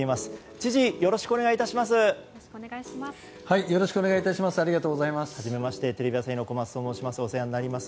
知事、よろしくお願い致します。